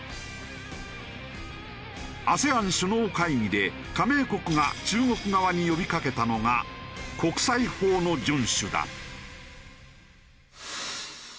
ＡＳＥＡＮ首脳会議で加盟国が中国側に呼びかけたのが国際法の順守だ。